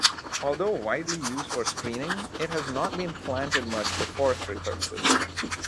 Although widely used for screening, it has not been planted much for forestry purposes.